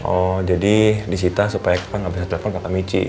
oh jadi di sita supaya kakak gak bisa telfon kak mici